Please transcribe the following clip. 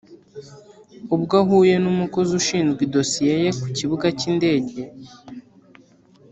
Ubwo ahuye n umukozi ushinzwe idosiye ye ku kibuga cy indege